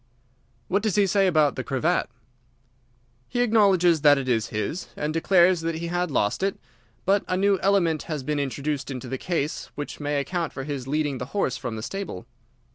"What does he say about the cravat?" "He acknowledges that it is his, and declares that he had lost it. But a new element has been introduced into the case which may account for his leading the horse from the stable."